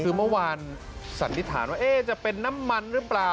คือเมื่อวานสันนิษฐานว่าจะเป็นน้ำมันหรือเปล่า